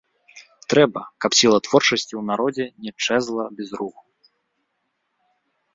Трэба, каб сіла творчасці ў народзе не чэзла без руху.